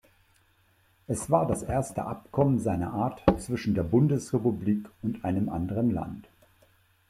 Es war das erste Abkommen seiner Art zwischen der Bundesrepublik und einem anderen Land.